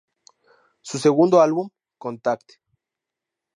Su segundo álbum ¡Contact!